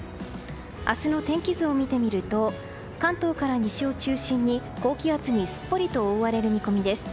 明日の天気図を見てみると関東から西を中心に高気圧にすっぽりと覆われる見込みです。